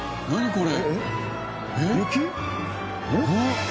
これ。